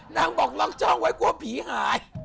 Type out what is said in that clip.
นางบอกน้องจ้องไว้กลัวผีหาย